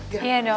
terima kasih dok